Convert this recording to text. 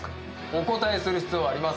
お答えする必要はありません。